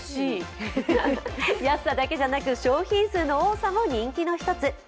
安さだけじゃなく商品数の多さも人気の一つ。